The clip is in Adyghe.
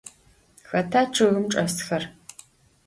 Xeta ççıgım çç'esxer?